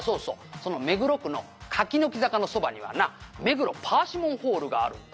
その目黒区の柿の木坂のそばにはなめぐろパーシモンホールがあるんだ」